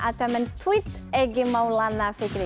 atau men tweet egy maulana fikri